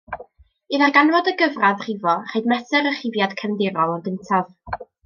I ddarganfod y gyfradd rifo, rhaid mesur y rhifiad cefndirol yn gyntaf.